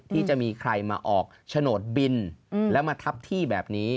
ที่จะมีใครมาออกโฉนดบินแล้วมาทับที่แบบนี้